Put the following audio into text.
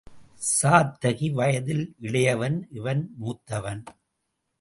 சாத்தகி வயதில் இளையவன் இவன் மூத்தவன்.